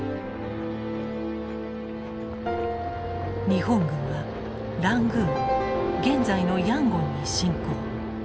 日本軍はラングーン現在のヤンゴンに進攻。